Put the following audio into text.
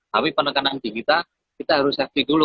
tapi penekanan digital kita kita harus safety dulu